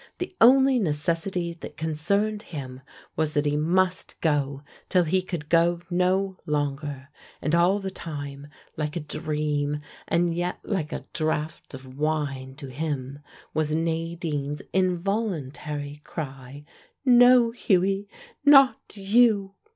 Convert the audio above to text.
The only necessity that concerned him was that he must go till he could go no longer. And all the time, like a dream and yet like a draught of wine to him was Nadine's involuntary cry, "No, Hughie, not you!"